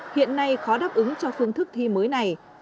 hiện nay khó đáp ứng cho phương thức thi mới này